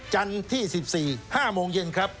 จันทร์ที่๑๔๕โมงเย็นครับ